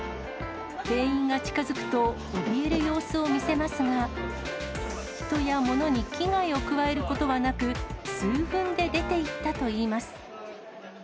店員が近づくと、おびえる様子を見せますが、人や物に危害を加えることはなく、数分で出ていったといいます。